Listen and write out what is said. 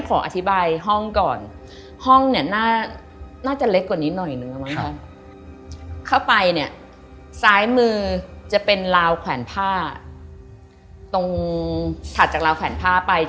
ก็มองเห็นอะไรอย่างเงี้ย